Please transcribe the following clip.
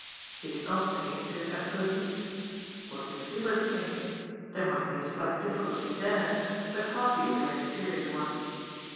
He did not say it to his employes. What would Hubert think? There might be a slight difficulty there, but hardly a Tory serious one.